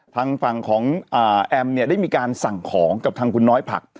ทางฝั่งของแอมเนี่ยได้มีการสั่งของกับทางคุณน้อยผัก